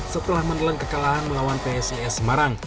setelah menelan kekalahan melawan psis semarang